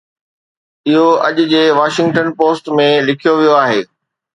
اهو اڄ جي واشنگٽن پوسٽ ۾ لکيو ويو آهي